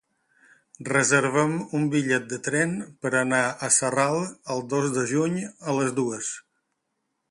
Reserva'm un bitllet de tren per anar a Sarral el dos de juny a les dues.